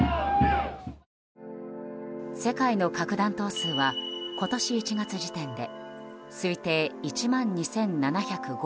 世界の核弾頭数は今年１月時点で推定１万２７０５発。